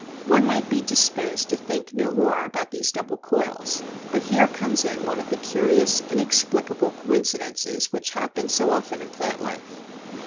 One might be disposed to think no more about these double coils; but here comes in one of the curious, inexplicable coincidences which happen so often in plant life.